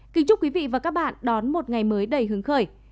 kính chúc quý vị và các bạn đón một ngày mới đầy hướng khởi